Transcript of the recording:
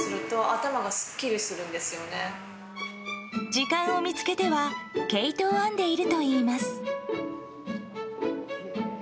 時間を見つけては毛糸を編んでいるといいます。